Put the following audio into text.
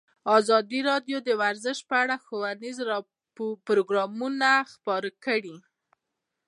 ازادي راډیو د ورزش په اړه ښوونیز پروګرامونه خپاره کړي.